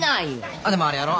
あっでもあれやろ？